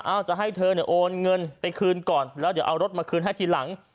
เอาจะให้เธอเนี่ยโอนเงินไปคืนก่อนแล้วเดี๋ยวเอารถมาคืนให้ทีหลัง